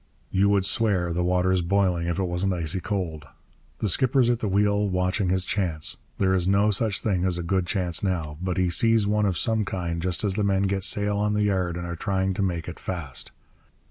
You would swear the water's boiling if it wasn't icy cold. The skipper's at the wheel, watching his chance. There is no such thing as a good chance now. But he sees one of some kind, just as the men get the sail on the yard and are trying to make it fast.